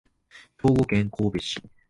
兵庫県神戸市